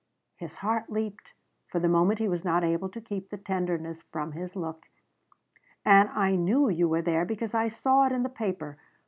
His heart leaped. For the moment he was not able to keep the tenderness from his look. "And I knew you were there because I saw it in the paper.